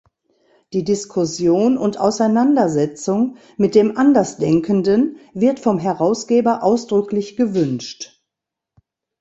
Die Diskussion und Auseinandersetzung mit dem Andersdenkenden wird vom Herausgeber ausdrücklich gewünscht.